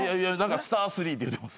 「スタースリー」って言うてます。